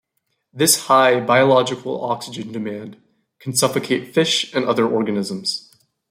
This high "biological oxygen demand" can suffocate fish and other organisms.